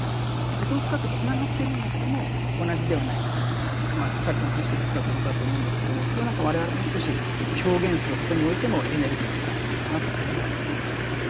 とても深くつながってるんだけども同じではないというのが釈さんもお話し下さったってことだと思うんですけどもそれを何か我々もう少し表現することにおいてもエネルギーを使っていいのかなって感じはいたしますね。